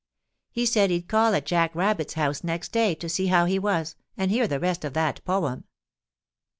He said he'd call at Jack Rabbit's house next day to see how he was and hear the rest of that poem.